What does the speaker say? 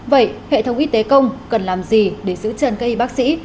vậy hệ thống y tế công cần làm gì để giữ chân cây bác sĩ